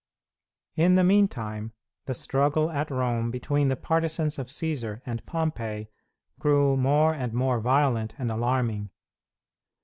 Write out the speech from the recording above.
In the meantime, the struggle at Rome between the partisans of Cćsar and Pompey grew more and more violent and alarming.